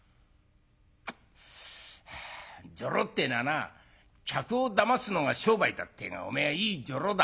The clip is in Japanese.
「女郎ってえのはな客をだますのが商売だってえがおめえはいい女郎だ。